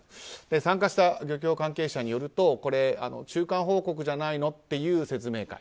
参加した漁協関係者によると中間報告じゃないのという説明会。